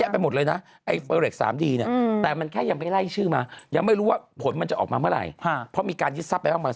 อย่างนั้นถือว่าผลพวง